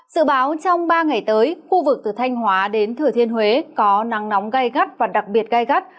sự báo trong ba ngày tới khu vực từ thanh hóa đến thừa thiên huế có nắng nóng gai gắt và đặc biệt gai gắt